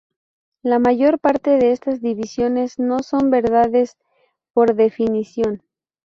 La mayor parte de estas divisiones no son verdades por definición.